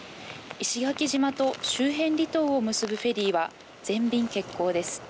石垣島と周辺離島を結ぶフェリーは全便欠航です。